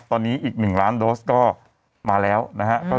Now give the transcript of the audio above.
ตอนนี้อีก๑ล้านโดสก็มาแล้วนะครับ